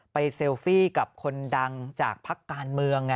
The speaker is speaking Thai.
เซลฟี่กับคนดังจากพักการเมือง